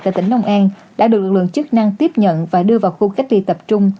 tại tỉnh long an đã được lực lượng chức năng tiếp nhận và đưa vào khu cách ly tập trung